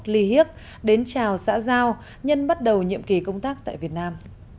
ly hiếc đến chào xã giao nhân bắt đầu nhiệm kỳ công tác tại việt nam